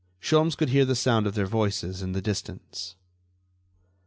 Sholmes could hear the sound of their voices in the distance.